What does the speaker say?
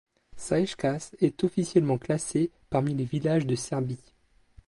Šajkaš est officiellement classé parmi les villages de Serbie.